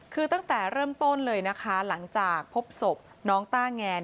คือตั้งแต่เริ่มต้นเลยนะคะหลังจากพบศพน้องต้าแงน